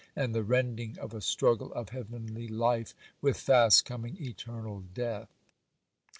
and the rending of a struggle of heavenly life with fast coming eternal death.